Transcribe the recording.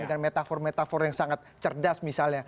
dengan metafor metafor yang sangat cerdas misalnya